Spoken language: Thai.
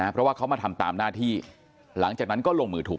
เพราะว่าเขามาทำตามหน้าที่หลังจากนั้นก็ลงมือถูก